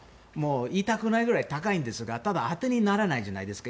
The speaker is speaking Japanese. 言いたくないぐらい高いんですがただ、当てにならないじゃないですか。